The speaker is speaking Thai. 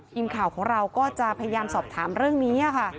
ทีมข่าวของเราก็จะพยายามสอบถามเรื่องนี้ค่ะ